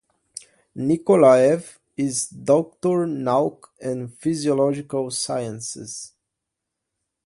Nikolaev is Doctor Nauk in Philological Sciences.